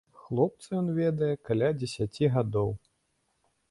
Хлопца ён ведае каля дзесяці гадоў.